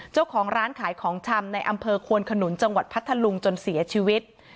เจ้าของร้านขายของชำในอำเภอควนขนุนจังหวัดพัทธลุงจนเสียชีวิต